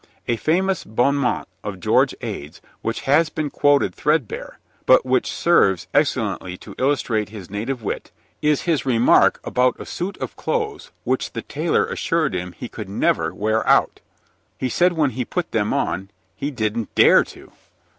A famous bon mot of George Ade's which has been quoted threadbare, but which serves excellently to illustrate his native wit, is his remark about a suit of clothes which the tailor assured him he could never wear out. He said when he put them on he didn't dare to.